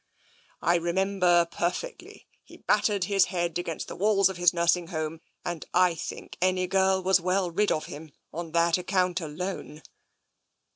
" I remember perfectly. He battered his head against the walls of his nursing home, and I think any girl was well rid of him on that account alone.